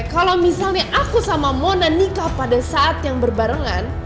kalau misalnya aku sama mona nikah pada saat yang berbarengan